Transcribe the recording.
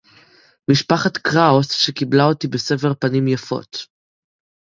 משפחת קראוס שקיבלה אותי בסבר פנים יפות.